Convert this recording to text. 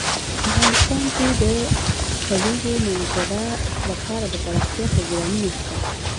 افغانستان کې د د کلیزو منظره لپاره دپرمختیا پروګرامونه شته.